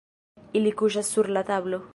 Ili kuŝas sur la tablo.